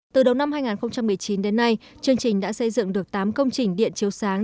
từ đầu năm hai nghìn một mươi chín đến nay chương trình đã xây dựng được tám công trình điện chiếu sáng